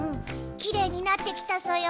きれいになってきたソヨ。